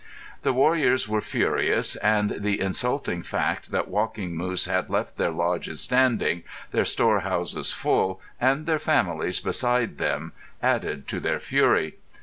The warriors were furious, and the insulting fact that Walking Moose had left their lodges standing, their storehouses full, and their families beside them added to their fury.